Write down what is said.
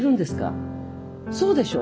そうでしょ？